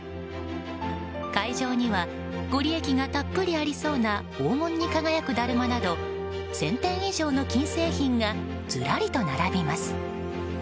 会場には御利益がたっぷりありそうな黄金に輝くだるまなど１０００点以上の金製品がずらりと並びます。